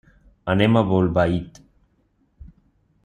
Anem a Bolbait.